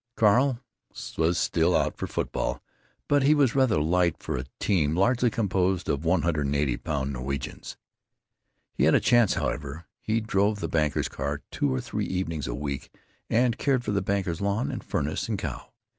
Carl was still out for football, but he was rather light for a team largely composed of one hundred and eighty pound Norwegians. He had a chance, however. He drove the banker's car two or three evenings a week and cared for the banker's lawn and furnace and cow.